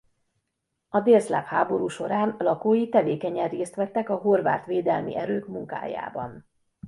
A délszláv háború során lakói tevékenyen részt vettek a horvát védelmi erők munkájában.